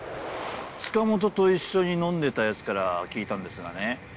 塚本と一緒に飲んでた奴から聞いたんですがね